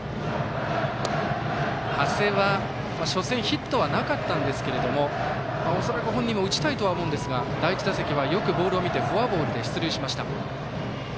長谷は初戦ヒットはなかったんですけれどもおそらく、本人も打ちたいとは思うんですが第１打席はよくボールを見てフォアボールで出塁しました。